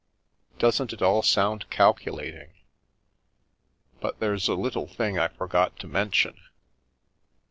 Doesn't it all sound calculating! But there's a little thing I forgot to mention."